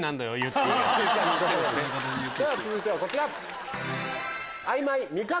続いてはこちら。